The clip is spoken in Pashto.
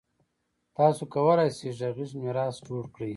تاسو کولای شئ غږیز میراث جوړ کړئ.